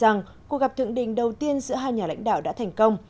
đồng thời nhấn mạnh rằng cuộc gặp thượng đỉnh đầu tiên giữa hai nhà lãnh đạo đã thành công